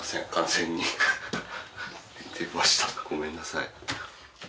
ごめんなさい。